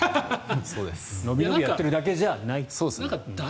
伸び伸びやっているだけじゃない。